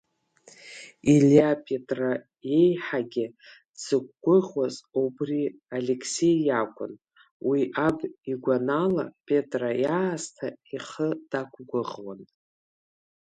Илиа Петра иеиҳагьы дзықәгәыӷуаз убри Алеқсеи иакәын, уи аб игәанала, Петра иаасҭа ихы дақәгәыӷуан.